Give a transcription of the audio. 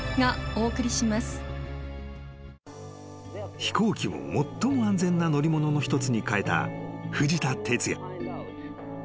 ［飛行機を最も安全な乗り物の一つに変えた藤田哲也］